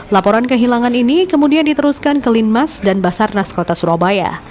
laporan kehilangan ini kemudian diteruskan ke linmas dan basarnas kota surabaya